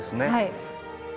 はい。